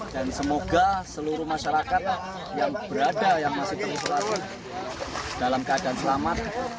dan semoga seluruh masyarakat yang berada yang masih di selatan dalam keadaan selamat